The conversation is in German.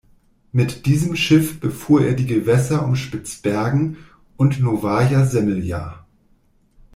Mit diesem Schiff befuhr er die Gewässer um Spitzbergen und Nowaja Semlja.